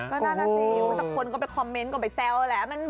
ก็นั่นน่ะสิแต่คนก็ไปคอมเมนต์ก็ไปแซวแหละ